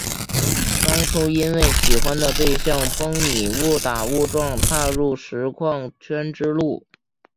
当初因为喜欢的对象蹦米误打误撞踏入实况圈之路。